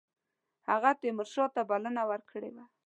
هغه تیمورشاه ته بلنه ورکړې وه.